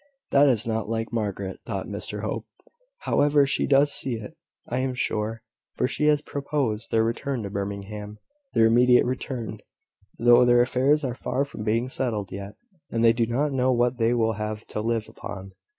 "That is not like Margaret," thought Mr Hope. "However, she does see it, I am sure; for she has proposed their return to Birmingham, their immediate return, though their affairs are far from being settled yet, and they do not know what they will have to live upon.